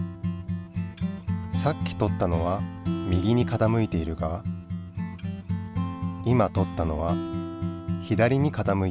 さっきとったのは右に傾いているが今とったのは左に傾いている。